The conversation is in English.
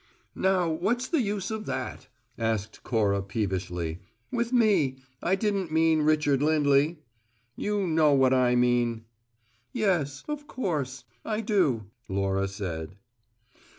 "Now what's the use of that?" asked Cora peevishly, "with me? I didn't mean Richard Lindley. You know what I mean." "Yes of course I do," Laura said.